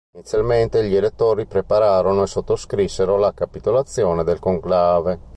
Inizialmente gli elettori prepararono e sottoscrissero la capitolazione del conclave.